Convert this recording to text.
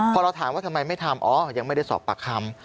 พอเราถามว่าทำไมไม่ทำอ๋อยังไม่ได้สอบปากคำ